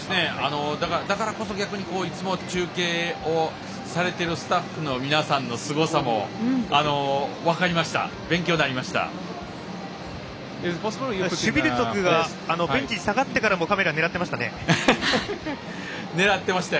だからこそ逆にいつも中継をされているスタッフの皆さんのすごさも分かりました。